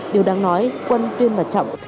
điều đáng nói quân tuyên và trọng